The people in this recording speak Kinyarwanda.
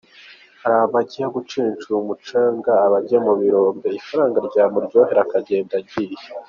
Hari abajya gucencura umucanga, abajya mu birombe, ifaranga ryamuryohera, akagenda agiye.